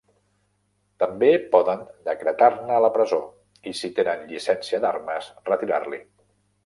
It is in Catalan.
També poden decretar-ne la presó i, si tenen llicència d'armes, retirar-li.